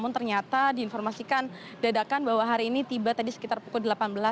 ternyata diinformasikan dadakan bahwa hari ini tiba tadi sekitar pukul delapan belas